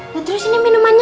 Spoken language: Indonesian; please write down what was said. ya terus ini minumannya